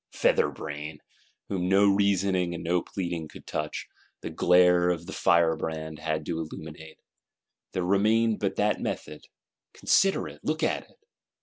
Featherbrain, whom no reasoning and no pleading could touch, the glare of the firebrand had to illuminate: there remained but that method. Consider it, look at it!